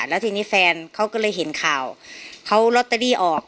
แล้วทีนี้แฟนเขาก็เลยเห็นข่าวเขาลอตเตอรี่ออก